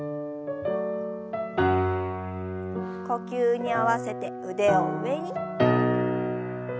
呼吸に合わせて腕を上に。